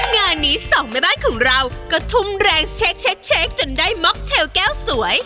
งานนี้สองแม่บ้านของเราก็ทุ่มแรงเช็คจนได้ม็อกเทลแก้วสวย